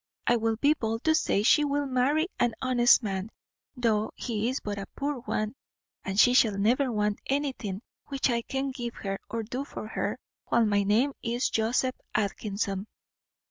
I will be bold to say she will marry an honest man, though he is but a poor one; and she shall never want anything which I can give her or do for her, while my name is Joseph Atkinson."